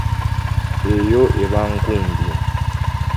Eyo eba nkumbi.